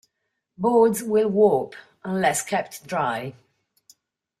Boards will warp unless kept dry.